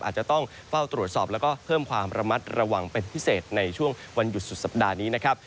อาจจะต้องเฝ้าตรวจสอบแล้วก็เพิ่มความระมัดระวังเป็นพิเศษในช่วงวันหยุดสุดสัปดาห์นี้นะครับ